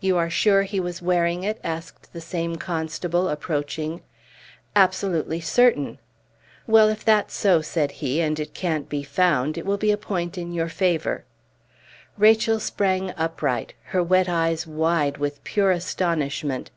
"You are sure he was wearing it?" asked the same constable, approaching. "Absolutely certain." "Well, if that's so," said he, "and it can't be found, it will be a point in your favor." Rachel sprang upright, her wet eyes wide with pure astonishment.